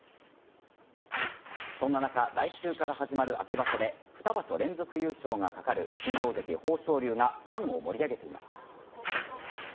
そんな中来週から始まる秋場所で２場所連続優勝が懸かる新大関・豊昇龍がファンを盛り上げていました。